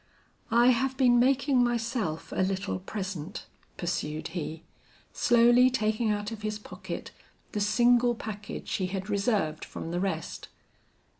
"I have been making myself a little present," pursued he, slowly taking out of his pocket the single package he had reserved from the rest.